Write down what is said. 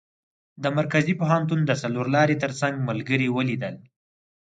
د مرکزي پوهنتون د څلور لارې تر څنګ ملګري ولیدل.